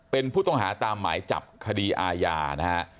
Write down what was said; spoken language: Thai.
เป็นผู้ต้องหาตามหมายจับคดีอาญานะฮะ